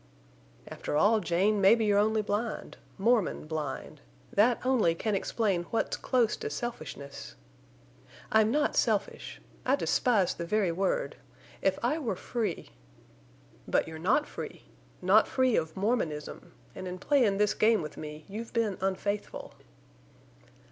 "After all, Jane, mebbe you're only blind—Mormon blind. That only can explain what's close to selfishness—" "I'm not selfish. I despise the very word. If I were free—" "But you're not free. Not free of Mormonism. An' in playin' this game with me you've been unfaithful."